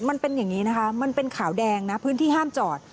มันเป็นอย่างนี้นะคะมันเป็นขาวแดงนะพื้นที่ห้ามจอด